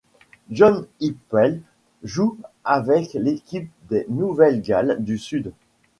John Hipwell joue avec l'équipe des Nouvelle-Galles du Sud.